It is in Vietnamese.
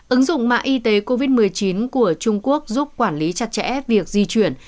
ứng dụng mạng y tế covid một mươi chín của trung quốc giúp quản lý chặt chẽ việc di chuyển